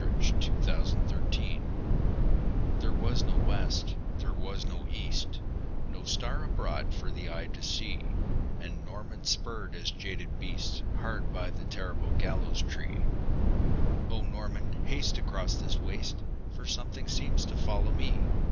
Y Z The Demon of the Gibbet THERE was no west, there was no east, No star abroad for eye to see; And Norman spurred his jaded beast Hard by the terrible gallows tree. "O Norman, haste across this waste For something seems to follow me!"